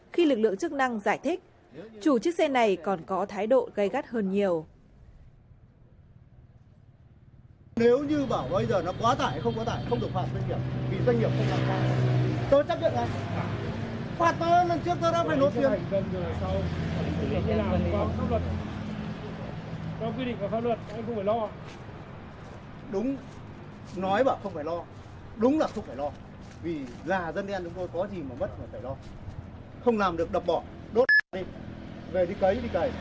không làm được đập bỏ đốt xe đi về đi cấy đi cấy